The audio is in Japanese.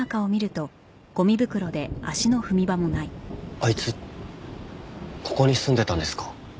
あいつここに住んでたんですか？